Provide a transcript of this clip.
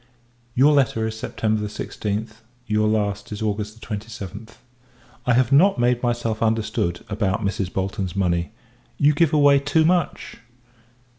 Your letter is September 16th, your last is August 27th. I have not made myself understood, about Mrs. Bolton's money. You give away too much.